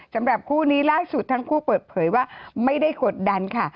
สำหรับคู่นี้ล่าสุดทั้งคู่เปิดเผยว่าไม่ได้กดดันค่ะ